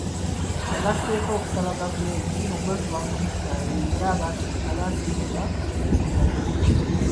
Agasseeko okusaba gavumenti okwekuba mu kifuba eyimbule abaasibibwa olw'ensonga z'ebyobufuzi.